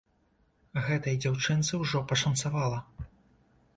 Гэтай дзяўчынцы ўжо пашанцавала.